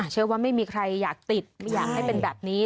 เชื่อว่าไม่มีใครอยากติดไม่อยากให้เป็นแบบนี้